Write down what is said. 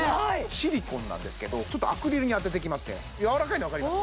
シリコンなんですけどちょっとアクリルに当てていきますねやわらかいの分かります？